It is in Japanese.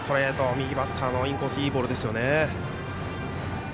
右バッターのインコースへいいボールでしたね。